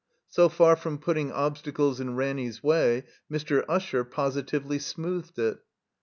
So far from putting obstacles in Ranny's way, Mr. Usher positively smoothed it.